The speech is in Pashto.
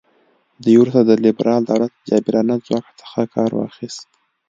دوی وروسته د لیبرال دولت جابرانه ځواک څخه کار واخیست.